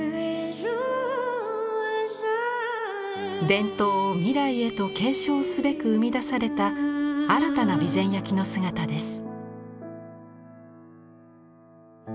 伝統を未来へと継承すべく生み出された新たな備前焼の姿です。